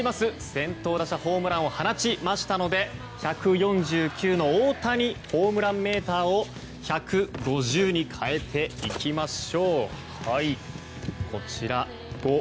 先頭打者ホームランを放ちましたので１４９の大谷ホームランメーターを１５０に変えていきましょう。